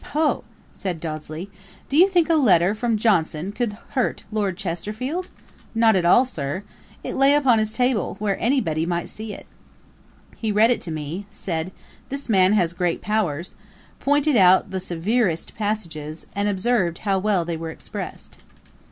'Poh! (said Dodsley) do you think a letter from Johnson could hurt Lord Chesterfield? Not at all, Sir. It lay upon his table, where any body might see it. He read it to me; said, "this man has great powers," pointed out the severest passages, and observed how well they were expressed.'